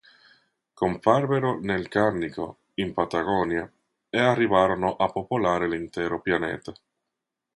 Comparvero nel Carnico in Patagonia e arrivarono a popolare l'intero pianeta.